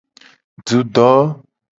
Dudo.